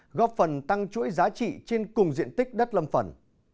các doanh nghiệp đã tăng chuỗi giá trị trên cùng diện tích đất lâm phần